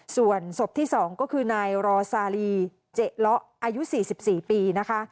ส่วนศพที่๒ก็คือนายรอซาลีเจ๊เลาะอายุ๔๔ปีนะคะ